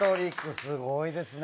すごいですね。